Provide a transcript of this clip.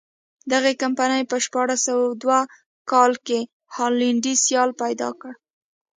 دغې کمپنۍ په شپاړس سوه دوه کال کې هالنډی سیال پیدا کړ.